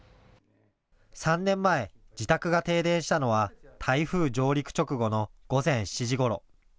３年前、自宅が停電したのは台風上陸直後の午前７時ごろ。